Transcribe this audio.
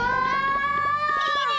きれい！